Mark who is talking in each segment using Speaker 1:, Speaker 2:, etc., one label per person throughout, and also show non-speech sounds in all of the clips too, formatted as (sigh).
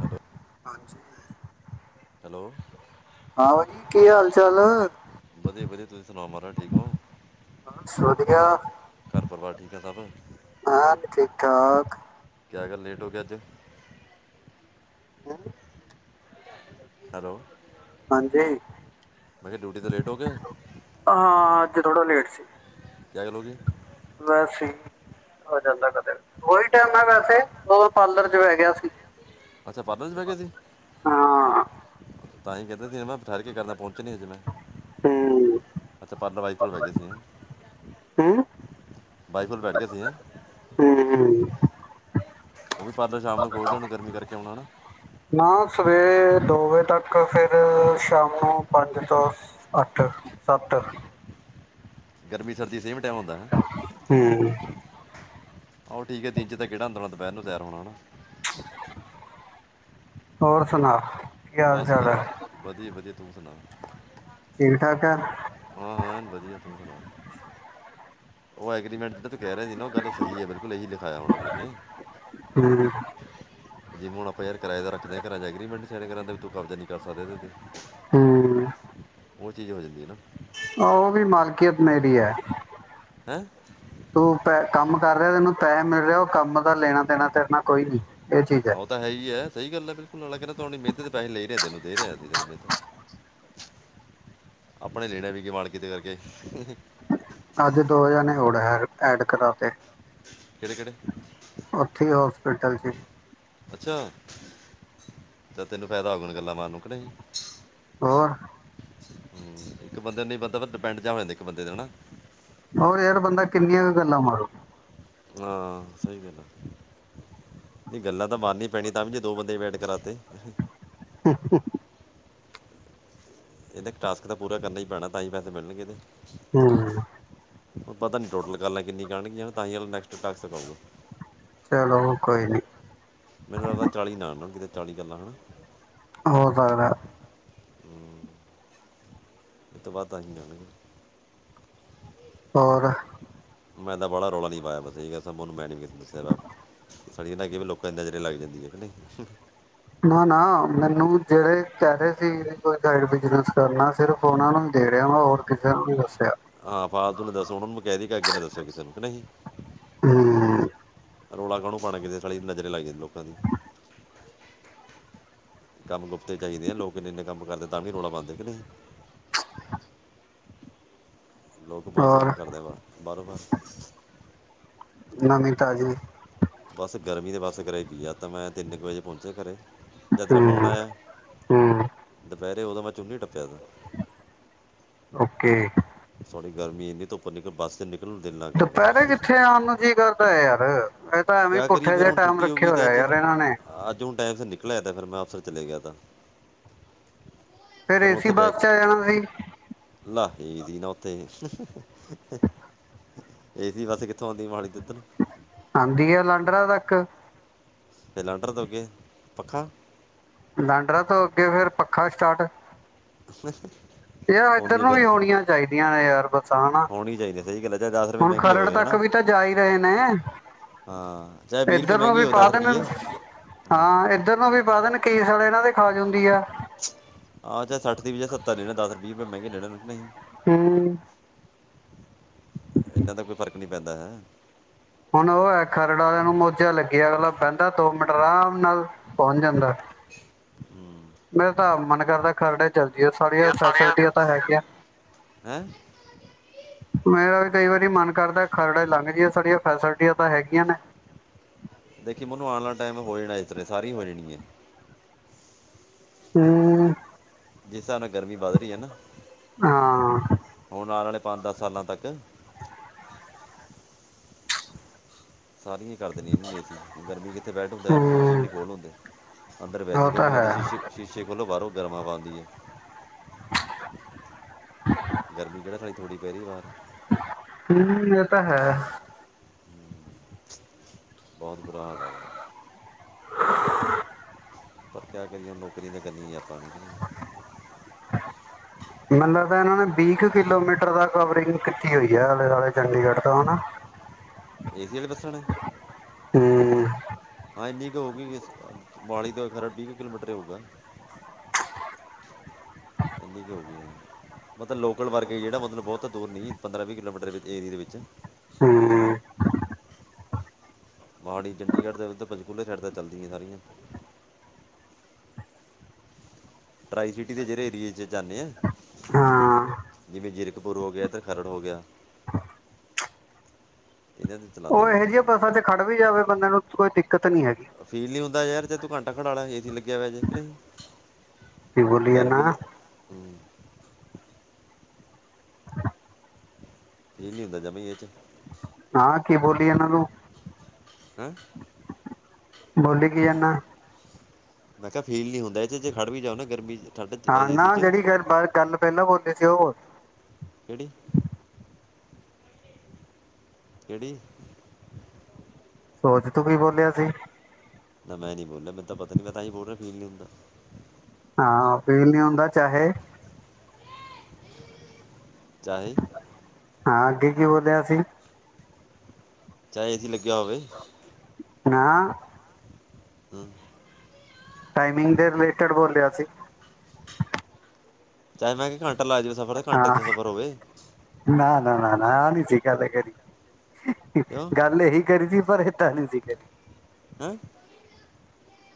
Speaker 1: Hello hello
Speaker 2: ਆਓ ਜੀ, ਕੀ ਹਾਲ ਚਾਲ?
Speaker 1: ਵਧੀਆ ਵਧੀਆ ਤੁਸੀਂ ਸੁਣਾਓ ਮਹਾਰਾਜ ਠੀਕ ਹੋ
Speaker 2: ਬਸ ਵਧੀਆ,
Speaker 1: ਘਰ ਪਰਿਵਾਰ ਠੀਕ ਹੈ ਸਭ
Speaker 2: ਐਨ ਠੀਕ-ਠਾਕ।
Speaker 1: ਕਿਆ ਗੱਲ, ਲੇਟ ਹੋ ਗਏ ਅੱਜ।
Speaker 2: ਹੂੰ,
Speaker 1: ਹੈਲੋ
Speaker 2: ਹਾਂਜੀ,
Speaker 1: ਮੈਂ ਕਿਹਾ ਡਿਊਟੀ ਤੋਂ ਲੇਟ ਹੋ ਗਏ
Speaker 2: ਹਾਂ। ਥੋੜਾ ਲੇਟ ਸੀ।
Speaker 1: ਕਿਆ ਗੱਲ ਹੋ ਗੀ?
Speaker 2: ਵੈਸੇ। ਹੋ ਜਾਂਦਾ ਕਦੇ, ਉਹੀ ਟਾਈਮ ਆ ਵੈਸੇ ਜਦੋ ਪਾਰਲਰ ਚ ਬਹਿ ਗਿਆ ਸੀ।
Speaker 1: ਅੱਛਾ ਪਾਰਲਰ ਚ ਬਹਿ ਗਿਆ ਸੀ?
Speaker 2: ਹਾਂ
Speaker 1: ਤਾਂਹੀ ਕਹਿੰਦੇ ਸੀ ਹਨਾ ਠਹਿਰ ਕੇ ਕਰਨਾ ਪਹੁੰਚੇ ਨਹੀਂ ਅਜੇ ਮੈਂ,
Speaker 2: ਹਮ,
Speaker 1: ਅੱਛਾ ਪਾਰਲਰ ਵਾਲੀ ਕੋਲ਼ ਬਹਿ ਗਏ ਸੀ ਹੈ।
Speaker 2: ਹੂੰ?
Speaker 1: ਵਾਈਫ ਕੋਲ਼ ਬੈਠਗੇ ਸੀ ਹੈ?
Speaker 2: ਹੂੰ, ਹੂੰ।
Speaker 1: ਉਹ ਵੀ ਪਾਰਲਰ ਸ਼ਾਮ ਨੂੰ ਖੋਲਦੇ ਹੋਣੇ, ਗਰਮੀ ਕਰਕੇ ਹੁਣ ਹਨਾ।
Speaker 2: ਨਾ ਸਵੇਰ ਦੋ ਵਜੇ ਤੱਕ, ਫਿਰ ਸ਼ਾਮ ਨੂੰ ਪੰਜ ਤੋਂ ਸ ਅੱਠ। ਸੱਤ।
Speaker 1: ਗਰਮੀ, ਸਰਦੀ ਸੇਮ ਟਾਈਮ ਹੁੰਦਾ ਹੈ।
Speaker 2: ਹੂੰ
Speaker 1: ਆਹੋ, ਠੀਕ ਹੈ। ਦਿਨ ਚ ਤਾਂ ਕਿਹੜਾ ਆਉਂਦਾ ਹੋਣਾ, ਦੁਪਹਿਰ ਨੂੰ ਤਿਆਰ ਹੋਣ ਹੈਨਾ।
Speaker 2: ਹੋਰ ਸੁਣਾ। ਕੀ ਹਾਲ
Speaker 1: ਬਸ
Speaker 2: ਚਾਲ ਹੈ
Speaker 1: ਵਧੀ-ਵਧੀਆ, ਵਧੀਆ ਤੂੰ ਸੁਣਾ?
Speaker 2: ਠੀਕ-ਠਾਕ।
Speaker 1: ਹਾਂ ਹਾਂ, ਐਨ ਵਧੀਆ ਤੂੰ ਸੁਣਾ? ਉਹ ਐਗਰੀਮੈਂਟ ਦ। ਕਹਿ ਰਹੇ ਸੀ ਨਾ, ਉਹ ਗੱਲ ਸਹੀ ਹੈ। ਬਿਲਕੁਲ ਇਹੀ ਲਿਖਾਇਆ ਹੋਣਾ, ਓਹਨਾ ਨੇ।
Speaker 2: ਹੂੰ
Speaker 1: ਜਿਵੇਂ ਹੁਣ ਆਪਾਂ ਯਾਰ ਕਿਰਾਏਦਾਰ ਰੱਖਦੇ ਆ, ਘਰਾ ਚ ਅਗਰੀਮੈਂਟ ਨੀ ਸਾਈਨ ਕਰਾਂਦੇ, ਵੀ ਤੂੰ ਕਬਜ਼ਾ ਨਹੀਂ ਕਰ ਸਕਦਾ ਇਹਦੇ ਤੇ।
Speaker 2: ਹੂੰ।
Speaker 1: ਉਹ ਚੀਜ਼ ਹੋ ਜਾਂਦੀ ਆ ਨਾ।
Speaker 2: ਆਹੋ, ਵੀ ਮਾਲਕੀਅਤ ਮੇਰੀ ਐ।
Speaker 1: ਹੈਂ?
Speaker 2: ਤੂੰ ਪੈ, ਕੰਮ ਕਰ ਰਿਹਾ ਤੈਨੂੰ ਪੈਸੇ ਮਿਲ ਰਿਹਾ, ਉਹ ਕੰਮ ਦਾ ਲੈਣਾ-ਦੇਣਾ ਤੇਰਨਾ ਕੋਈ ਨੀ।
Speaker 1: ਓਹ ਤਾਂ ਹੈ ਈ ਐ, ਸਹੀ ਗੱਲ ਐ ਬਿਲਕੁਲ। ਅਗਲਾ ਕਹਿੰਦਾ ਤੂੰ ਆਪਣੀ ਮਿਹਨਤ ਦੇ ਪੈਸੇ ਲੇ ਰਿਹਾ, ਤੈਨੂੰ। ਦੇ ਰਿਆ ਅਸੀਂ ਘਰੇ ਬੈਠੇ। ਆਪਣੇ ਲੈਣਾ ਵੀ ਕਿ ਮਾੜ ਕਿਤੇ ਜਾ ਕੇ।
Speaker 2: ਅੱਜ ਦੋ ਜਣੇ ਹੋਰ ਐ-ਐਡ ਕਰਾ ਤੇ।
Speaker 1: ਕਿਹੜੇ ਕਿਹੜੇ।
Speaker 2: ਟਟਲ ਸੀ।
Speaker 1: ਅੱਛਾ ਤੇ ਤੈਨੂੰ ਫਾਇਦਾ ਹੋਗਣ ਗੱਲਾਂ ਮਾਰਨ ਨੂੰ ਕਿ ਨਹੀਂ।
Speaker 2: ਹੋਰ।
Speaker 1: ਹਮ, ਇੱਕ ਬੰਦੇ ਨੂੰ ਨਹੀਂ ਬੰਦਾ ਡਿਪੈਂਡ ਜਾ ਹੋ ਜਾਂਦੇ ਇੱਕ ਬੰਦੇ ਹਨਾ।
Speaker 2: ਹੋਰ ਯਾਰ ਬੰਦਾ ਕਿੰਨੀਆਂ ਕੁ ਗੱਲਾਂ ਮਾਰੋ।
Speaker 1: ਹਾਂ ਸਹੀ ਗੱਲ ਆ। ਨਹੀਂ ਗੱਲਾਂ ਤਾਂ ਮਾਰਨੀ ਪੈਣੀ ਤਾਂ ਵੀ ਜੇ ਦੋ ਬੰਦੇ ਵੈਟ ਕਰਾਤੇ।
Speaker 2: (unintelligible) (unintelligible)
Speaker 1: ਇਹਦੇ ਟਾਸਕ ਤਾਂ ਪੂਰਾ ਕਰਨਾ ਹੀ ਪੈਣਾ ਤਾਂ ਹੀ ਪੈਸੇ ਮਿਲਣਗੇ ਇਹਦੇ।
Speaker 2: ਹਮ।
Speaker 1: ਹੁਣ ਪਤਾ ਨੀ ਟੋਟਲ ਕਾਲਾਂ ਕਿੰਨੀ ਕੁ ਆਣਗੀਆਂ ਤਾਂ ਹੀ ਨੈਕਸਟ ਟਾਸਕ ਆਉਗਾ।
Speaker 2: ਚਲੋ ਕੋਇ ਨੀ।
Speaker 1: ਮੈਨੂੰ ਲੱਗਦਾ ਚਾਲੀ ਨਾਲ ਨਾ ਕਿਤੇ ਚਾਲੀ ਕਾਲਾਂ ਹਨਾ।
Speaker 2: ਹੋ ਸਕਦਾ।
Speaker 1: ਇਹ ਤੋਂ ਬਾਅਦ ਆ ਜਾਣਗੇ।
Speaker 2: ਹੋਰ।
Speaker 1: ਮੈਂ ਤਾ ਬੜਾ ਰੌਲਾ ਨਹੀਂ ਪਾਇਆ ਬਸ ਸੀਗਾ ਸਭ ਮੋਨੂ ਮੈਂ ਨਹੀਂ ਕਿਸੇ ਦੱਸਿਆ ਸਾਲੀ ਲੋਕਾਂ ਦੀ ਵੀ ਨਜਰ ਲੱਗ ਜਾਂਦੀ ਹੈ। (unintelligible) (unintelligible)
Speaker 2: ਨਾ ਨਾ ਮੈਨੂੰ ਜਿਹੜੇ ਕਹਿ ਰਹੇ ਸੀ ਕੋਈ ਬਿਜਨਸ ਕਰਨਾ ਸਿਰਫ ਉਹਨਾਂ ਨੂੰ। ਦੇੜਰਆ ਮੈਂ ਹੋਰ ਕਿਸੇ ਨੂੰ ਵੀ ਦੱਸਿਆ।
Speaker 1: ਹਾਂ ਫਾਲਤੂ ਨੇ ਦੱਸੋ ਉਹਨਾਂ ਨੂੰ ਮੈਂ ਕਹਿ ਦਾ ਕੇ ਅੱਗੇ ਨੇ ਦੱਸੋ ਕਿਸੇ ਨੂੰ ਕਿ ਨਹੀਂ।
Speaker 2: ਹੂੰ
Speaker 1: ਰੌਲਾ ਕਾਹਨੂੰ ਪਾਉਣਾ ਕਿਸਤੇ ਸਾਲੀ ਨਜ਼ਰੇ ਲੱਗ ਜਾਂਦੀ ਲੋਕਾਂ ਦੀ। ਕੰਮ ਗੁਫਤੇ ਚਾਹੀਦੇ ਆ ਲੋਕ ਇੰਨੇ ਇੰਨੇ ਕੰਮ ਕਰਦੇ ਤਾਂ ਵੀ ਰੌਲਾ ਪਾਉਂਦੇ ਕਿ ਨਹੀਂ। ਲੋਕ ਬਹੁਤ
Speaker 2: ਔਰ
Speaker 1: ਕੰਮ ਕਰਦੇ ਆ ਬਾਹਰੋਂ ਬਾਹਰ।
Speaker 2: ਨਵੀਂ ਤਾਜ਼ੀ।
Speaker 1: ਬਸ ਗਰਮੀ ਤੇ ਬਸ ਘਰੇ ਕੀ ਰਾਤਾਂ ਮੈਂ ਤਿੰਨ ਕੁ ਵਜੇ ਪਹੁੰਚੇ ਘਰੇ। ਜਦ ਤੇਰਾ ਫੋਨ
Speaker 2: ਹਮ ਹਮ।
Speaker 1: ਅਤੇ ਉਹਦਾ ਮੈਂ ਚੁੰਨੀ ਟੱਪਿਆ।
Speaker 2: ਓਕੇ।
Speaker 1: ਥੋੜੀ ਗਰਮੀ ਇੰਨੀ ਧੁੱਪ ਨਿਕਲ ਬੱਸ ਤੇ ਨਿਕਲ।
Speaker 2: ਦੁਪਹਿਰੇ, ਕਿੱਥੇ ਆਉਣ ਨੂੰ ਜੀ ਕਰਦਾ ਹੈ ਯਾਰ, ਇਹ ਤਾਂ ਐਵੇਂ
Speaker 1: ਕਿਆ ਕਰੀਏ
Speaker 2: ਪੁੱਠੇ
Speaker 1: ਫਿਰ
Speaker 2: ਜਿਹੇ
Speaker 1: ਹੁਣ
Speaker 2: ਟਾਈਮ
Speaker 1: ਛੁੱਟੀ ਹੋ
Speaker 2: ਰੱਖੇ
Speaker 1: ਗਈ ਤੇ
Speaker 2: ਹੋਇਆ। ਹੈ,
Speaker 1: ਅੱਜ
Speaker 2: ਇਹਨਾਂ ਨੇ।
Speaker 1: ਅੱਜ, ਹੁਣ ਟਾਈਮ ਸਿਰ ਨਿਕਲ ਆਇਆ ਤਾ, ਫਿਰ ਮੈਂ ਆਫਿਸ ਚਲੇ ਗਿਆ ਤਾ।
Speaker 2: ਫਿਰ, ਏਸੀ ਬੱਸ ਚ ਆ ਜਾਣਾ ਸੀ।
Speaker 1: ਠੀਕ ਸੀ, ਨਾ ਉੱਥੇ ਏ ਸੀ ਬੱਸ ਕਿੱਥੋਂ ਆਉਂਦੀ, ਮੋਹਾਲੀ ਤੋਂ ਇੱਧਰ ਨੂੰ।
Speaker 2: ਆਉਂਦੀ ਹੈ, ਲਾਂਡਰਾ ਤੱਕ।
Speaker 1: ਤੇ ਲਾਂਡਰਾ ਤੋਂ ਅੱਗੇ, ਪੱਖਾ
Speaker 2: ਲਾਂਡਰਾ ਤੋਂ, ਅੱਗੇ ਫਿਰ ਪੱਖਾ ਸਟਾਰਟ
Speaker 1: ਹਮ।
Speaker 2: ਯਾਰ, ਇੱਧਰ ਨੂੰ ਵੀ ਹੋਣੀਆਂ ਚਾਹੀਦੀਆਂ ਨੇ ਯਾਰ ਬੱਸਾਂ ਨਾ,
Speaker 1: ਹੋਣੀ ਚਾਹੀਦੀ ਸਹੀ ਗੱਲ ਹੈ ਚਾਹੇ ਰੁਪਏ
Speaker 2: ਹੁਣ
Speaker 1: ਮਹਿੰਗੀ
Speaker 2: ਖਰੜ
Speaker 1: ਹੋਵੇ ਹਨਾ
Speaker 2: ਤ ਵੀ ਤਾਂ ਜਾ ਈ ਰਹੇ ਨੇ,
Speaker 1: ਹਾਂ ਚਾਹੇ ਰੁਪਏ
Speaker 2: ਇੱਧਰ ਨੂੰ
Speaker 1: ਮਹਿੰਗੀ
Speaker 2: ਵੀ
Speaker 1: ਹੋਵੇ
Speaker 2: ਪਾ ਦੇਣ
Speaker 1: ਰੁਪਏ
Speaker 2: ਹਾਂ, ਇੱਧਰ ਨੂੰ ਵੀ ਪਾ ਦੇਣ ਕੀ ਸਾਲੇ ਇਹਨਾਂ ਦੀ, ਖਾਜ ਹੁੰਦੀ ਆ।
Speaker 1: ਆਹ ਜੇ ਸੱਠ ਦੀ ਵੀ ਜਾਂ ਸੱਤਰ ਦੇ ਲੈਣਾ, ਦਸ ਵੀਹ ਰੁਪਏ ਮਹਿੰਗੇ ਲੈਣਾ, ਨਹੀਂ।
Speaker 2: ਹਮ।
Speaker 1: ਇਹਨਾਂ ਤਾਂ, ਕੋਈ ਫ਼ਰਕ ਨਹੀਂ ਪੈਂਦਾ ਹੈ।
Speaker 2: ਹੁਣ ਬੰਦਾ ਦੋ ਮੀਟਰ, ਆਰਾਮ ਨਾਲ ਪਹੁੰਚ ਜਾਂਦਾ। ਮੇਰਾ ਤਾਂ, ਆਪ ਮਨ ਕਰਦਾ ਖਰੜ ਚੱਲਦੀ ਹੈ, ਸਾਰੀਆਂ ਫੈਸਿਲਿਟੀਆਂ ਤਾਂ ਹੈਗੀਆਂ।
Speaker 1: ਹੈ
Speaker 2: ਮੇਰਾ ਵੀ ਕਈ ਵਾਰੀ ਮਨ ਕਰਦਾ, ਖਰੜ ਲੰਘ ਜਾਈਏ, ਸਾਡੀਆਂ ਫੈਸਿਲਿਟੀਆਂ ਤਾਂ ਹੈਗੀਆਂ ਨੇ।
Speaker 1: ਦੇਖੀ, ਮਨੂੰ ਆਉਣ ਵਾਲਾ ਟਾਈਮ ਹੋ ਜਾਣਾ, ਇਸ ਤਰ੍ਹਾਂ, ਸਾਰੀ ਹੋ ਜਾਣੀ ਹੈ।
Speaker 2: ਹਮ।
Speaker 1: ਜਿਸ ਹਿਸਾਬ ਨਾਲ, ਗਰਮੀ ਵੱਧ ਰਹੀ ਹੈ ਨਾ,
Speaker 2: ਹਾਂ
Speaker 1: ਹੁਣ ਆਣ ਵਾਲੇ ਪੰਜ-ਦੱਸ, ਸਾਲਾਂ ਤੱਕ ਸਾਰੀਆਂ ਹੀ ਕਰ ਦੇਣੀਆਂ ਏ ਸੀ, ਗਰਮੀ ਕਿਤੇ ਬੈਠ ਹੁੰਦਾ, ਯਾਰ ਸ਼ੀਸ਼ੇ ਵੀ
Speaker 2: ਹੂੰ
Speaker 1: ਨਹੀਂ ਖੋਲ੍ਹ ਹੁੰਦੇ। ਅੰਦਰ ਵੈਸੇ ਈ
Speaker 2: ਉਹ ਤਾਂ
Speaker 1: ਗਰਮੀ ਲੱਗਦੀ ਏ,
Speaker 2: ਹੈ
Speaker 1: ਸ਼ੀਸ਼ੇ, ਸ਼ੀਸ਼ੇ ਖੋਲੋ ਬਾਹਰੋਂ ਗਰਮ ਹਵਾ ਆਉਂਦੀ ਹੈ। ਗਰਮੀ ਕਿਹੜਾ, ਸਾਲੀ ਥੋੜ੍ਹੀ ਪੈ ਰਹੀ ਏ ਬਾਹਰ।
Speaker 2: ਠੀਕ, ਇਹ ਤਾਂ ਹੈ।
Speaker 1: ਬਹੁਤ ਬੁਰਾ, ਹਾਲ ਹੈ। ਪਰ ਕਿਆ ਕਰੀਏ, ਨੌਕਰੀ ਤਾਂ ਕਰਨੀ ਆਪਾਂ ਨੇ।
Speaker 2: ਮਤਲਬ ਤਾਂ ਇਹਨਾਂ ਨੇ, ਵੀਹ ਕੁ ਕਿਲੋਮੀਟਰ ਤੱਕ ਕਵਰਿੰਗ ਕੀਤੀ ਹੋਈ ਹੈ, ਆਲੇ-ਦੁਆਲੇ ਚੰਡੀਗੜ੍ਹ ਤੋਂ ਨਾ।
Speaker 1: ਏਸੀ, ਵਾਲੀ ਬੱਸਾਂ ਨੇ?
Speaker 2: ਹੂੰ
Speaker 1: ਹਾਂ ਇੰਨੀ ਕੁ ਹੋਊਗੀ, ਮੋਹਾਲੀ ਤੋਂ ਖਰੜ ਤੀਕ ਕਿਲੋਮੀਟਰ, ਹੋਊਗਾ। ਇੰਨੀ ਕੀ ਹੋਊ ਗੀ, ਹਾਂ। ਮਤਲਬ, ਲੋਕਲ ਵਰਗੇ ਜਿਹੜਾ ਮਤਲਬ, ਬਹੁਤ ਦੂਰ ਨਹੀਂ ਪੰਦਰਾਂ-ਵੀਹ ਕਿਲੋਮੀਟਰ ਏਰੀਏ ਦੇ ਵਿੱਚ
Speaker 2: ਹੂੰ
Speaker 1: (unintelligible) ਮੋਹਾਲੀ, ਚੰਡੀਗੜ੍ਹ ਤੇ ਪੰਜਚਕੂਲੇ ਸਾਈਡ ਤੇ ਚੱਲਦੀਆਂ ਸਾਰੀਆਂ। ਟਰਾਈ ਸਿਟੀ, ਦੇ ਜਿਹੜੇ ਏਰੀਏ ਚ ਜਾਂਨੇ ਆ।
Speaker 2: ਹਾਂ
Speaker 1: ਜਿਵੇਂ, ਜ਼ੀਰਕਪੁਰ ਹੋ ਗਿਆ ਤੇ ਖਰੜ ਹੋ ਗਿਆ। ਇਹਨਾਂ ਤੇ
Speaker 2: ਉਹ ਇਹੋ ਜਿਹੀਆਂ ਬੱਸਾਂ ਚ, ਖੜ ਵੀ ਜਾਵੇ ਬੰਦੇ ਨੂੰ ਕੋਈ ਦਿ
Speaker 1: ਫੀਲ ਨੀ ਹੁੰਦਾ ਯਾਰ, ਜੇ ਤੂੰ ਘੰਟਾ ਖੜਾ ਲਾ, ਏਸੀ ਲੱਗਿਆ ਹੋਇਆ ਜੇ, ਕੇ ਨਹੀਂ?
Speaker 2: ਕੀ ਬੋਲੀ
Speaker 1: ਗਰਮੀ
Speaker 2: ਜਾਨਾ?
Speaker 1: ਫੀਲ ਨੀ ਹੁੰਦਾ, ਜਮੀ ਇਹ ਚ।
Speaker 2: ਹਾਂ, ਕੀ ਬੋਲੀ ਜਾਨਾ ਤੂੰ।
Speaker 1: ਹਾਂ
Speaker 2: ਬੋਲੀ ਕੀ ਜਾਨਾ?
Speaker 1: ਮੈਂ ਕਿਹਾ ਫੀਲ ਨੀ ਹੁੰਦਾ, ਇਹ ਚੇ ਖੜ੍ਹ ਵੀ ਜਾਓ ਨਾ ਗਰਮੀ ਚ। ਠੰਡ 'ਚ,
Speaker 2: ਹਾਂ, ਨਾ
Speaker 1: ਏਸੀ ਚ
Speaker 2: ਜਿਹੜੀ ਗੱਲ ਬ ਗੱਲ, ਪਹਿਲਾਂ ਬੋਲੀ ਸੀ ਉਹ ਬੋਲ
Speaker 1: ਕੇੜੀ। ਕਿਹੜੀ
Speaker 2: ਸੋਚ ਤੂੰ ਕੀ ਬੋਲਿਆ ਸੀ।
Speaker 1: ਨਾ ਮੈਂ ਨੀ ਬੋਲਿਆ, ਮੈਨੂੰ ਤਾਂ ਪਤਾ ਨੀ ਮੈਂ ਤਾਂ ਬੋਲ ਰਿਹਾ ਫੀਲ ਨਹੀਂ ਹੁੰਦਾ।
Speaker 2: ਹਾਂ ਫੀਲ ਨੀ ਹੁੰਦਾ ਚਾਹੇ
Speaker 1: ਚਾਹੇ
Speaker 2: ਹਾਂ ਅਗੇ ਕਿ ਬੋਲਿਆ ਸੀ।
Speaker 1: ਚਾਹੇ ਏਸੀ ਲੱਗਿਆ ਹੋਵੇ।
Speaker 2: ਨਾ
Speaker 1: ਹੰਮ।
Speaker 2: ਟਾਈਮਿੰਗ ਦੇ ਰਿਲੇਟਿਡ ਬੋਲਿਆ ਸੀ।
Speaker 1: ਚਾਏ ਮੈਂ ਕਿਹਾ ਘੰ
Speaker 2: ਹਾਂ ਨਾ-ਨਾ-ਨਾ-ਨਾ ਆ ਨੀ ਸੀ। ਗੱਲ ਕਰੀ,
Speaker 1: ਕਿਉਂ
Speaker 2: ਗੱਲ ਇਹੀ ਕਰੀ ਸੀ ਪਰ ਏਦਾਂ ਨੀ ਸੀ ਕਰੀ।
Speaker 1: ਹੈਂ।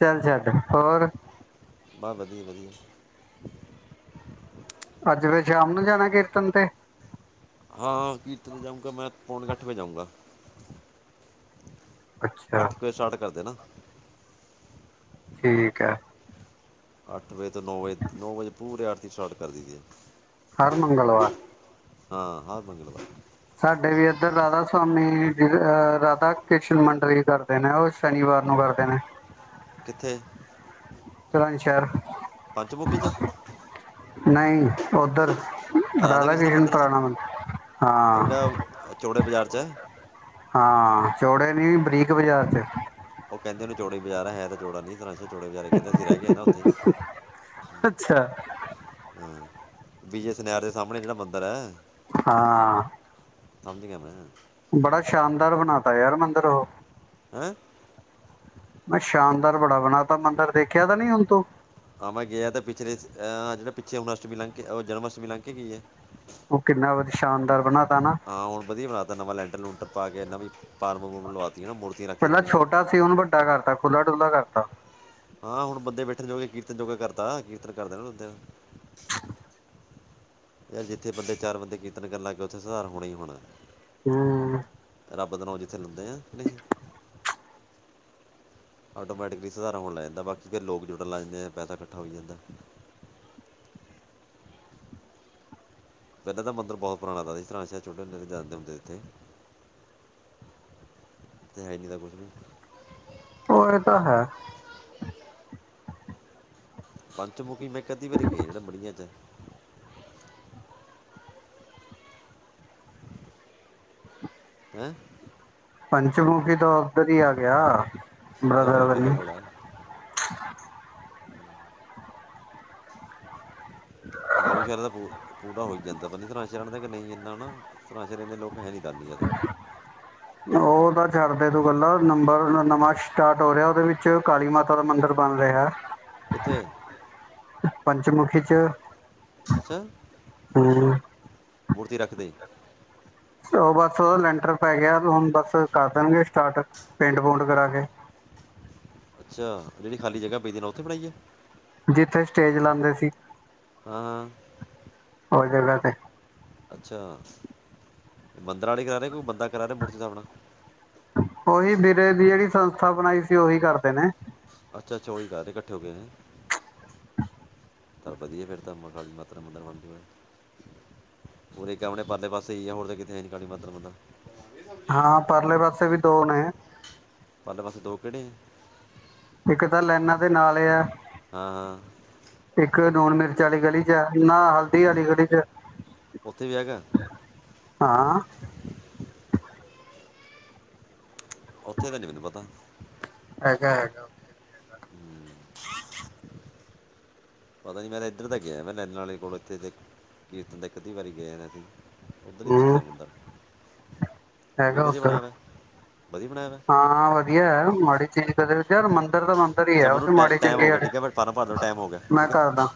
Speaker 2: ਚੱਲ ਛੱਡ, ਹੋਰ।
Speaker 1: ਬ ਵਧੀਆ-ਵਧੀਆ।
Speaker 2: ਅੱਜ ਫਿਰ ਸ਼ਾਮ ਨੂੰ ਜਾਣਾ ਏ ਕੀਰਤਨ ਤੇ।
Speaker 1: ਹਾਂ ਕੀਰਤ ਜਾਊਂਗਾ ਮੈਂ ਪੌਣੇ ਕੁ ਅੱਠ ਵਜੇ ਜਾਊਂਗਾ।
Speaker 2: ਅੱਛਾ
Speaker 1: ਅੱਠ ਕੁ ਵਜੇ ਸਟਾਰਟ ਕਰਦੇਨਾ।
Speaker 2: ਠੀਕ ਹੈ।
Speaker 1: ਅੱਠ ਵਜੇ ਤੋਂ ਨੌ ਵਜੇ, ਨੌ ਵਜੇ ਪੂਰੇ ਆਰਤੀ ਸਟਾਰਟ ਕਰ ਦਈ ਦੀ ਹੈ।
Speaker 2: ਹਰ ਮੰਗਲਵਾਰ
Speaker 1: ਹਾਂ, ਹਾਂ (unintelligible)
Speaker 2: ਸਾਡੇ ਵੀ ਇੱਧਰ ਰਾਧਾ ਸਵਾਮੀ ਅ ਰਾਧਾ ਕ੍ਰਿਸ਼ਨ ਮੰਡਲ ਵੀ ਕਰਦੇ ਨੇ ਉਹ ਸ਼ਨੀਵਾਰ ਨੂੰ ਕਰਦੇ ਨੇ
Speaker 1: ਕਿੱਥੇ
Speaker 2: ਸ਼ਹਿਰ
Speaker 1: ਪੰਚਮੁੱਖੀ ਚ
Speaker 2: ਨਹੀਂ, ਉੱਧਰ ਰਾਧਾ ਕ੍ਰਿਸ਼ਨ ਪੁਰਾਣਾ ਹਾਂ
Speaker 1: ਚੋੜੇ ਬਾਜ਼ਾਰ ਚ
Speaker 2: ਹਾਂ, ਚੋੜੇ ਨੀ ਬਰੀਕ ਬਾਜ਼ਾਰ ਚ
Speaker 1: ਉਹ ਕਹਿੰਦੇ ਨੇ ਚੌੜੇ ਬਾਜ਼ਾਰ ਆਇਆ ਹੈ ਤਾਂ ਚੌੜਾ ਨ ਚੋੜਾ ਬਾਜ਼ਾਰ ਕਹਿੰਦੇ ਅਸੀਂ ਰਹਿ ਕੇ ਗਏ ਨਾ, ਉੱਥੇ
Speaker 2: ਅੱਛਾ
Speaker 1: ਹਮ ਵਿਜੇ, ਸੁਨਿਆਰੇ ਦੇ ਸਾਹਮਣੇ ਜਿਹੜਾ ਮੰਦਿਰ ਹੈ।
Speaker 2: ਹਾਂ
Speaker 1: ਸਮਝ ਗਿਆ ਮੈਂ
Speaker 2: ਬੜਾ ਸ਼ਾਨਦਾਰ ਬਣਾ ਤਾ ਯਾਰ ਮੰੰਦਿਰ ਉਹ
Speaker 1: ਹੈਂ
Speaker 2: ਮੈਂ ਸ਼ਾਨਦਾਰ ਬੜਾ ਬਣਾ ਤਾ ਮੰਦਿਰ ਦੇਖਿਆ, ਤਾਂ ਨੀ ਹੁਣ ਤੂੰ
Speaker 1: ਆ ਮੈਂ ਗਿਆ ਤੇ ਪਿਛਲੇਹ ਜਿਹੜੇ ਪਿੱਛੇ ਹੁਣ ਅਸ਼ਟਮੀ ਲੰਘ ਕੇ ਜਨਮ ਅਸ਼ਟਮੀ ਲੰਘ ਕੇ ਗਈ ਹੈ
Speaker 2: ਉਹ ਕਿੰਨਾ ਵਧ ਸ਼ਾਨਦਾਰ ਬਣਾ ਤਾ ਨਾ।
Speaker 1: ਹਾਂ ਹੁਣ ਵਧੀਆ ਬਣਾਤਾ ਨਵਾਂ ਲੈਂਟਰ ਲੂੰਟਰ ਪਾ ਕੇ ਇਹਨਾ ਵੀ ਫਾਰਮ
Speaker 2: ਪਹਿਲਾਂ ਛੋਟਾ ਸੀ ਉਹਨੂੰ ਵੱਡਾ ਕਰ ਤਾ ਖੁੱਲਾ- ਡੁੱਲਾ ਕਰ ਤਾ।
Speaker 1: ਹਾਂ ਹੁਣ ਬੰਦੇ ਬੈਠਣ ਜੋਗੇ, ਕੀਰਤਨ ਜੋਗਾ ਕਰਦਾ ਕੀਰਤਨ ਕਰਦੇ ਨਾ ਬੰਦੇ ਨੂੰ ਯਾਰ ਜਿੱਥੇ ਬੰਦੇ, ਚਾਰ ਬੰਦੇ ਕੀਰਤਨ ਕਰਨ ਲੱਗਏ ਉੱਥੇ ਸੁਧਾਰ ਹੋਣਾ ਹੀ ਹੋਣਾ।
Speaker 2: ਹਮ
Speaker 1: ਰੱਬ ਦਾ ਨ ਜਿੱਥੇ ਲੈਂਦੇ ਆ ਆਟੋਮੈਟਿਕਲੀ ਸਧਾਰਾਂ ਹੋਣ ਲੈ ਜਾਂਦਾ ਬਾਕੀ ਫਿਰ ਲੋਕ ਜੁੜਣ ਲੱਗ ਜਾਂਦੇ ਪੈਸਾ ਇਕੱਠਾ ਹੋ ਜਾਂਦਾ। (inaudible) ਪਹਿਲਾਂ ਤਾਂ ਮੰਦਿਰ ਬਹੁਤ ਪੁਰਾਣਾ ਸੀ ਸ਼ਹਿਰ ਛੋਟੇ ਜਾਂਦੇ ਹੁੰਦੇ ਇਥੇ ਤੇ ਹੈਨੀ, ਤਾਂ ਕੁਛ ਵੀ।
Speaker 2: ਉਹ ਇਹ ਤਾਂ ਹੈ।
Speaker 1: ਪੰਚਮੁੱਖੀ, ਮੈਂ ਇਕ ਅੱਧੀ ਵਾਰੀ ਗਿਆ ਜਿਹੜਾ ਬੜੀਆਂ ਚ ਹੈ,
Speaker 2: ਪੰਚਮੁੱਖੀ ਤਾ ਉੱਧਰ ਹੀ ਆ ਗਿਆ।
Speaker 1: ਪਤਾ
Speaker 2: ਬ੍ਰਦਰ
Speaker 1: ਗਊਸ਼ਾਲਾ
Speaker 2: ਬਣੀ
Speaker 1: ਕੋਲ ਐ। ਗਊਸ਼ਾਲਾ ਦਾ ਪੂ ਪੂਰਾ ਹੋਈ ਜਾਂਦਾ। ਪਤਾ ਨੀ ਇਹਦਾ ਇਤਿਹਾਸ ਜਾਣਦੇ ਆ ਕੀ ਨਹੀਂ (unintelligible) ਦੇ ਲੋਕ ਹੈ ਨੀ।
Speaker 2: ਉਹ ਤਾਂ ਕਰਦੇ ਦੋ, ਗੱਲਾ ਨੰਬਰ ਨਵਾਂ ਸਟਾਰਟ ਹੋ ਰਿਹਾ। ਉਹਦੇ ਵਿੱਚ ਕਾਲੀ ਮਾਤਾ ਦਾ ਮੰਦਿਰ ਬਣ ਰਿਹਾ।
Speaker 1: ਕਿੱਥੇ।
Speaker 2: ਪੰਚਮੁੱਖੀ 'ਚ
Speaker 1: ਅੱਛਾ ਮੂਰਤੀ ਰੱਖ ਤੀ
Speaker 2: ਉਹ ਬੱਸ, ਉਹਦਾ ਲੈਂਟਰ ਪੈ ਗਿਆ। ਹੁਣ ਬੱਸ, ਕਰ ਦੇਣਗੇ ਸਟਾਟ ਪੇਂਟ ਪੂਟ ਕਰਾ ਕੇ।
Speaker 1: (inaudible) ਅੱਛਾ! ਜਿਹੜੀ ਖਾਲੀ ਜਗ੍ਹਾ ਪਈ ਤੀ ਇਹਨਾਂ ਉੱਥੇ ਬਣਾਈਏ।
Speaker 2: ਜਿੱਥੇ ਸਟੇਜ ਲਾਂਦੇ ਸੀ।
Speaker 1: ਹਾਂ-ਹਾਂ,
Speaker 2: ਓ ਜਗ੍ਹਾ ਤੇ।
Speaker 1: ਅੱਛਾ! ਮੰਦਰਾਂ ਆਲੇ ਕਰਾ ਰਹੇ, ਕੇ ਕੋਈ ਬੰਦਾ ਕਰਾ ਰਿਹਾ ਮੂਰਤੀ ਸਥਾਪਨਾ।
Speaker 2: ਉਹੀ ਵੀਰੇ ਦੀ ਜਿਹੜੀ ਸੰਸਥਾ ਬਣਾਈ ਸੀ। ਓਹੀ ਕਰਦੇ ਨੇ।
Speaker 1: ਅੱਛਾ-ਅੱਛਾ, ਓਹੀ ਕਰ ਰਹੇ ਇਕੱਠੇ ਹੋ ਕੇ ਹੈਂ। ਤਾਂ ਵਧੀਆ ਫਿਰ, ਤਾਂ ਕਾਲੀ ਮਾਤਾ ਦਾ ਮੰਦਰ ਬਣ ਜੂਗਾ। ਉਰੇ ਇੱਕ ਆਪਣੇ ਪਰਲੇ ਪਾਸੇ ਹੀ ਆ ਹੋਰ ਤੇ ਕਿਤੇ ਹੈ ਹੀ ਨੀ ਕਾਲੀ ਮਾਤਾ ਦਾ ਮੰਦਰ
Speaker 2: ਹਾਂ, ਪਰਲੇ ਪਾਸੇ ਵੀ ਦੋ ਨੇ
Speaker 1: ਕਿਹੜੀ
Speaker 2: ਇੱਕ ਤਾਂ ਲਾਈਨਾਂ ਦੇ ਨਾਲ਼ੇ ਐ
Speaker 1: ਹਾਂ-ਹਾਂ
Speaker 2: ਲੂਣ ਮਿਰਚ ਆਲੀ ਗਲੀ ਚ ਨਾ ਹਲਦੀ ਵਾਲੀ ਗਲੀ ਚ
Speaker 1: ਓਥੇ ਵੀ ਹੈਗਾ
Speaker 2: ਹਾਂ
Speaker 1: ਉੱਥੇ ਦਾ ਨੀ ਮੈਨੂੰ ਪਤਾ
Speaker 2: ਹੈਗਾ ਹੈਗਾ
Speaker 1: ਪਤਾ ਨੀ ਮੈਂ ਤਾਂ ਇੱਧਰ ਦਾ ਗਿਆ ਮੈਂ ਨੈਣਾ ਆਲੀ ਕੋਲ ਇੱਥੇ ਕੀਰਤਨ ਦਾ ਇਕ ਅੱਧੀ ਵਾਰੀ ਗਿਆ ਸੀ ਉੱਧਰ ਨਹੀਂ
Speaker 2: ਹੂੰ
Speaker 1: ਦੇਖਿਆ ਮੰਦਿਰ
Speaker 2: ਹੈਗਾ ਉੱਧਰ
Speaker 1: ਵਧੀਆ ਬਣਾਇਆ ਹੋਇਆ
Speaker 2: ਹਾਂ ਵਧੀਆ ਐ ਮਾੜੀ ਚੀਜ਼ ਕਦੇ ਇੱਧਰ ਤਾਂ ਮੰਦਿਰ ਈ
Speaker 1: ਚਾ ਮੈਨੂੰ ਟੈ ਟਾਈਮ ਹੋ
Speaker 2: ਆ
Speaker 1: ਗਿਆ ਠੀਕ ਹੈ ਬਟ ਫਾਰਮ ਭਰ ਦੋ ਟਾਈਮ ਹੋ ਗਿਆ
Speaker 2: (unintelligible) ਮੈਂ
Speaker 1: ਠੀਕ ਹੈ
Speaker 2: ਕਰਦਾ